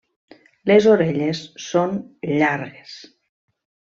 Les orelles són llargues.